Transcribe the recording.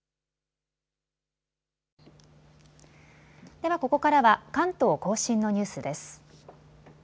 ではここからは関東甲信のニュースです。